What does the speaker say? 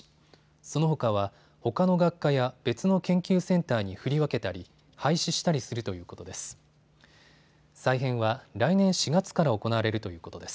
そのほかは、ほかの学科や別の研究センターに振り分けたり廃止したりするということです。